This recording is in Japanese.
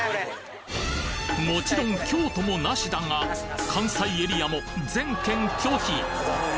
もちろん京都もナシだが関西エリアも全県拒否！